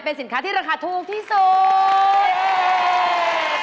เป็นสินค้าที่ราคาถูกที่สุด